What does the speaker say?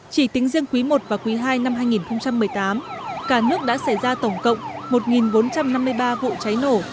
chỉ tính riêng quý i và quý ii năm hai nghìn một mươi tám cả nước đã xảy ra tổng cộng một bốn trăm năm mươi ba vụ cháy nổ